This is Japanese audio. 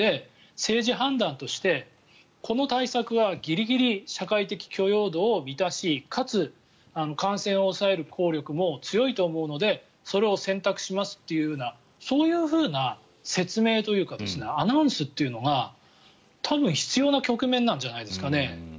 政治判断としてこの対策はギリギリ社会的許容度を満たしかつ感染を抑える効力も強いと思うのでそれを選択しますというようなそういうふうな説明というかアナウンスというのが多分、必要な局面なんじゃないですかね。